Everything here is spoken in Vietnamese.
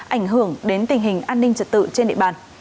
ảnh hưởng đến tình hình an ninh trật tự trên địa bàn